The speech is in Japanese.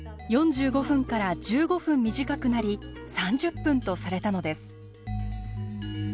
４５分から１５分短くなり３０分とされたのです。